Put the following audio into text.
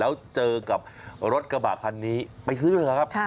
แล้วเจอกับรถกระบะคันนี้ไปซื้อเลยครับ